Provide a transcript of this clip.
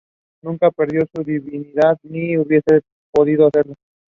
Then she won over the rank and file of the army.